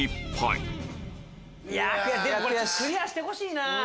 クリアしてほしいな。